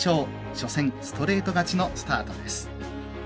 初戦、ストレート勝ちのスタートです。